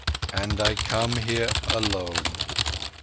"And I come here alone.